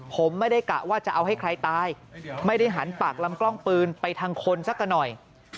ผมไม่ได้กะว่าจะเอาให้ใครตาย